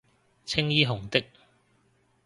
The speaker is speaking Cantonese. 青衣紅的